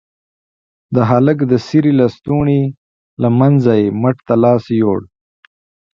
د هلك د څيرې لستوڼي له منځه يې مټ ته لاس يووړ.